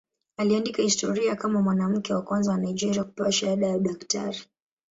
Aliandika historia kama mwanamke wa kwanza wa Nigeria kupewa shahada ya udaktari.